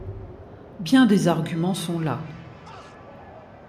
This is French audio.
Bien des arguments sont là.